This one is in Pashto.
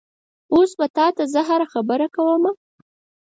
اوس به تا ته زه هره خبره کومه؟